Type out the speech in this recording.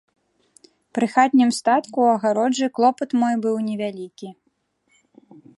Пры хатнім статку ў агароджы клопат мой быў невялікі.